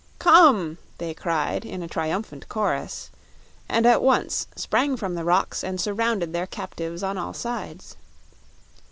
"Come!" they cried, in a triumphant chorus, and at once sprang from the rocks and surrounded their captives on all sides.